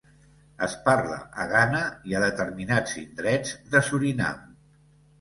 Es parla a Ghana i a determinats indrets de Surinam.